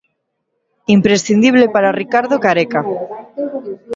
Imprescindible para Ricardo Careca.